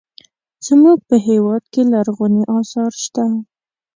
زموږ په هېواد کې لرغوني اثار شته.